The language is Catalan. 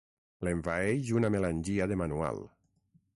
L'envaeix una melangia de manual.